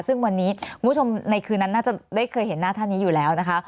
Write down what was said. ซึ่งวันนี้คุณผู้ชมในคืนนั้นน่าจะได้เคยเห็นหน้าท่านนี้อยู่แล้วนะคะ